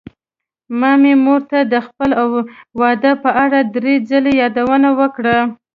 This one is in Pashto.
ما مې مور ته د خپل واده په اړه دری ځلې يادوونه وکړه.